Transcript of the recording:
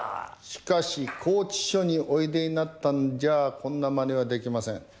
しかし拘置所においでになったんじゃあこんな真似はできません。